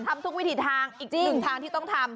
ทำทุกวิถีทางอีกหนึ่งทางที่ต้องทำ